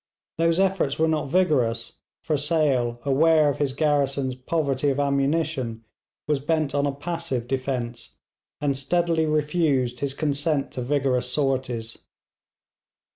Those efforts were not vigorous, for Sale, aware of his garrison's poverty of ammunition, was bent on a passive defence, and steadily refused his consent to vigorous sorties.